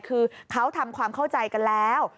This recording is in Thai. คือเขาทำความเข้าใจกันแล้ว